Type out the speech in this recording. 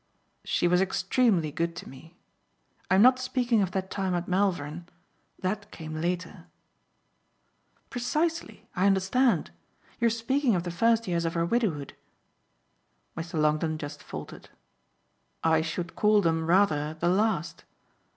"She was extremely good to me. I'm not speaking of that time at Malvern that came later." "Precisely I understand. You're speaking of the first years of her widowhood." Mr. Longdon just faltered. "I should call them rather the last.